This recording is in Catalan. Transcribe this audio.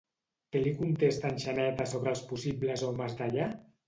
Què li contesta en Xaneta sobre els possibles homes d'allà?